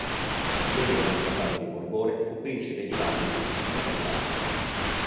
Membro del Casato di Borbone, fu Principe di Napoli e Sicilia per nascita.